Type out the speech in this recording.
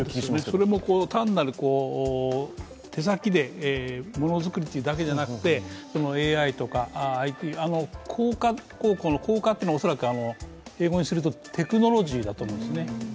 それも、単なる手先で物作りっていうだけじゃなくてＡＩとかＩＴ、工科高校の「工科」というのは恐らく英語にするとテクノロジーだと思うんですね。